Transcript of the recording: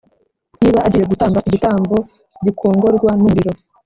Niba agiye gutamba igitambo gikongorwa n umuriro